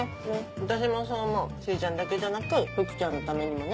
私もそう思うしーちゃんだけじゃなく福ちゃんのためにもね。